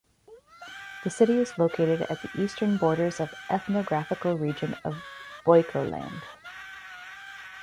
The city is located at the eastern borders of ethnographical region of "Boyko Land".